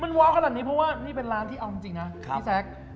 มันว้าวขนาดนี้เพราะว่านี่เป็นร้านที่เอาจริงนะพี่แซค